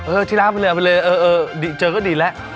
เออทีละเอาไปเลยเออเออเจอก็ดีแล้ว